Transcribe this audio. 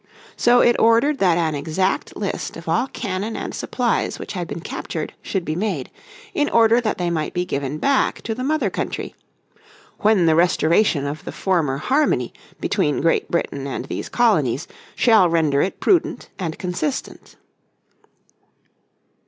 So it ordered that an exact list of all cannon and supplies which had been captured should be made, in order that they might be given back to the Mother Country, "when the restoration of the former harmony between Great Britain and these colonies shall render it prudent and consistent."